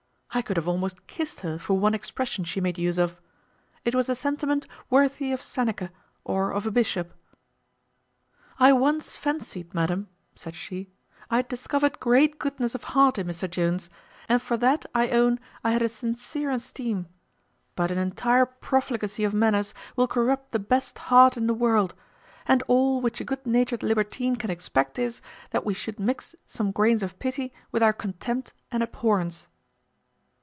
I could have almost kissed her for one expression she made use of. It was a sentiment worthy of Seneca, or of a bishop. `I once fancied madam.' and she, `I had discovered great goodness of heart in Mr Jones; and for that I own I had a sincere esteem; but an entire profligacy of manners will corrupt the best heart in the world; and all which a good natured libertine can expect is, that we should mix some grains of pity with our contempt and abhorrence.'